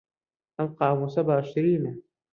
ئەم قامووسە باشترینە.